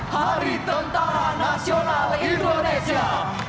hari tentara nasional indonesia